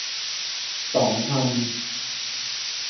สองพัน